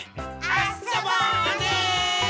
あそぼうね！